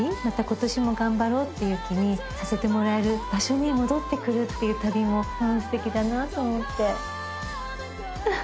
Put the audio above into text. またことしも頑張ろうって気にさせてもらえる場所に戻ってくるっていう旅もすてきだなと思って。